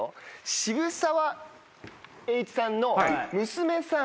渋沢栄一さんの娘さん